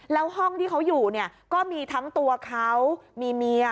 แล้วห้องที่เขาอยู่เนี่ยก็มีทั้งตัวเขามีเมีย